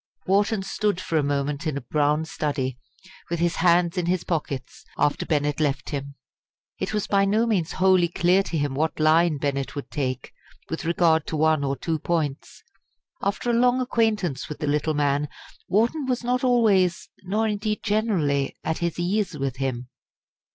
Wharton stood for a moment in a brown study, with his hands in his pockets, after Bennett left him. It was by no means wholly clear to him what line Bennett would take with regard to one or two points. After a long acquaintance with the little man, Wharton was not always, nor indeed generally, at his ease with him.